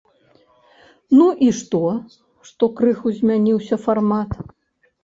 Ну, і што, што крыху змяніўся фармат?